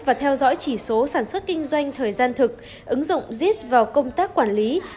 và theo dõi chỉ số sản xuất kinh doanh thời gian thực ứng dụng zis vào công tác quản lý